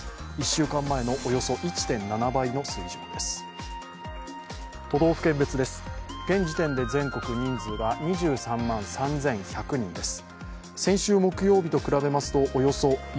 １週間前のおよそ１．７倍の水準です。